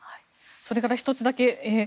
それから１つだけ。